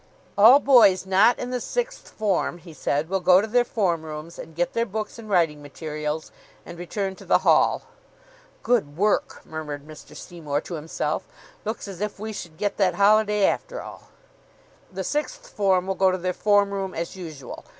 "All boys not in the Sixth Form," he said, "will go to their form rooms and get their books and writing materials, and return to the Hall." ("Good work," murmured Mr. Seymour to himself. "Looks as if we should get that holiday after all.") "The Sixth Form will go to their form room as usual.